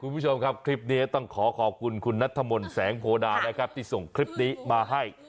คุณผู้ชมครับคลิปนี้ต้องขอขอบคุณคุณนัทธมนต์แสงโพดานะครับที่ส่งคลิปนี้มาให้